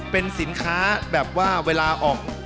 เป็นสินค้าแบบว่าเวลาออก